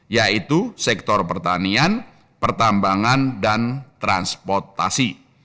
yaitu sektor pertanian pertambangan dan transportasi